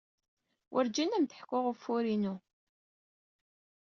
Werǧin ad am-d-ḥkuɣ ufur-inu.